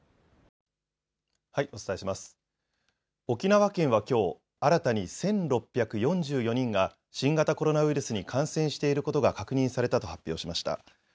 沖縄県はきょう新たに１６４４人が新型コロナウイルスに感染していることが確認されたと発表しました。